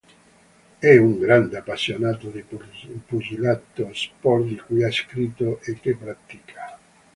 È un grande appassionato di pugilato, sport di cui ha scritto e che pratica.